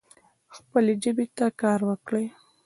خپلي ژبي ته کار وکړئ.